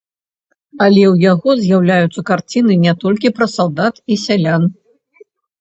Але ў яго з'яўляюцца карціны не толькі пра салдат і сялян.